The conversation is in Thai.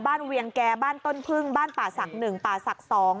บ้านเวียงแก่บ้านต้นพึ่งบ้านป่าศักดิ์หนึ่งป่าศักดิ์สอง